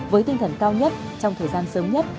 với tinh thần cao nhất trong thời gian sớm nhất